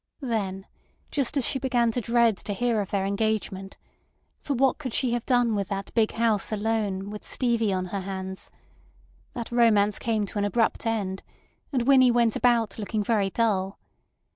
Then just as she began to dread to hear of their engagement (for what could she have done with that big house alone, with Stevie on her hands), that romance came to an abrupt end, and Winnie went about looking very dull.